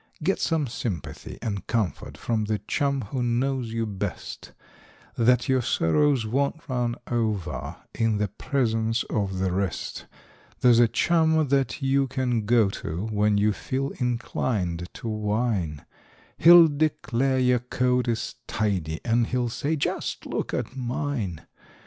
Get some sympathy and comfort from the chum who knows you best, Then your sorrows won't run over in the presence of the rest ; There's a chum that you can go to when you feel inclined to whine, He'll declare your coat is tidy, and he'll say : "Just look at mine